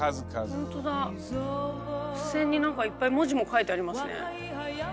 ふせんに何かいっぱい文字も書いてありますね。